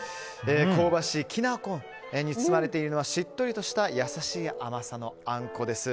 香ばしいきな粉に包まれているのはしっとりとした優しい甘さのあんこです。